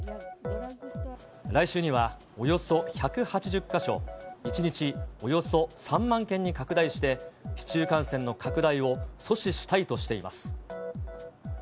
来週には、およそ１８０か所、１日およそ３万件に拡大して、市中感染の拡大を阻止したいとしています。